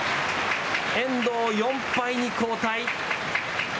遠藤、４敗に後退。